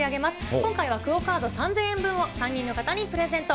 今回はＱＵＯカード３０００円分を３人の方にプレゼント。